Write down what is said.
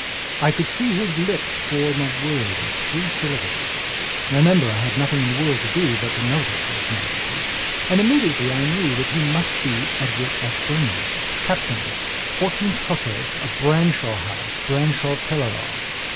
I could see his lips form a word of three syllablesremember I had nothing in the world to do but to notice these nicetiesand immediately I knew that he must be Edward Ashburnham, Captain, Fourteenth Hussars, of Branshaw House, Branshaw Teleragh.